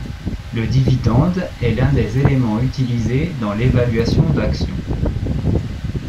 Le dividende est l'un des éléments utilisé dans l'évaluation d'action.